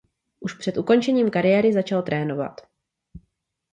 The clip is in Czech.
Už před ukončením kariéry začal trénovat.